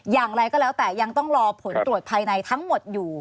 อย่างไรก็แล้วแต่ยังต้องรอผลตรวจภายในทั้งหมดอยู่